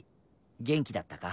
元気だったか？